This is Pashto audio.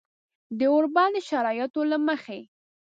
د اوربند د شرایطو له مخې